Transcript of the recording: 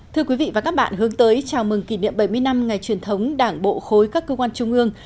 thưa quý vị và các bạn hướng tới chào mừng kỷ niệm bảy mươi năm ngày truyền thống đảng bộ khối các cơ quan trung ương